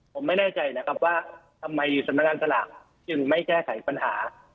ผมไม่แน่ใจนะครับว่าทำไมสำนักงานสลากจึงไม่แก้ไขปัญหา